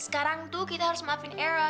sekarang tuh kita harus maafin era